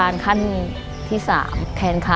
หนูรู้สึกดีมากเลยค่ะ